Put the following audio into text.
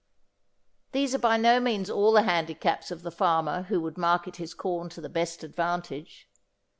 These are by no means all the handicaps of the farmer who would market his corn to the best advantage.